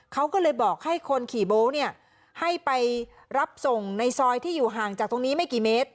เขาก็เลยบอกให้คนขี่โบ๊คเนี่ยให้ไปรับส่งในซอยที่อยู่ห่างจากตรงนี้ไม่กี่เมตร